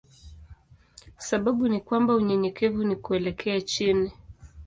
Sababu ni kwamba unyenyekevu ni kuelekea chini.